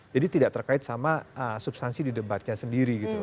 jadi tidak terkait sama substansi di debatnya sendiri gitu